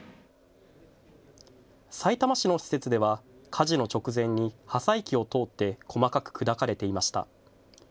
さいたま市の施設では火事の直前に破砕機を通って細かく砕かれていました。